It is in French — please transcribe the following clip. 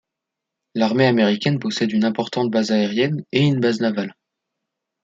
L'armée américaine possède une importante base aérienne et une base navale.